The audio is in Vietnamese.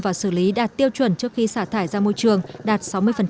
và xử lý đạt tiêu chuẩn trước khi xả thải ra môi trường đạt sáu mươi